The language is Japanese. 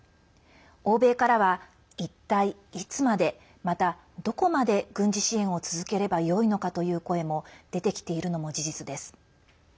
欧米からは、一体いつまでまた、どこまで軍事支援を続ければよいのかという声も出てきているのも事実です。